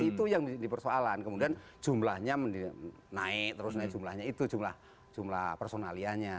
itu yang di persoalan kemudian jumlahnya naik terus naik jumlahnya itu jumlah personalianya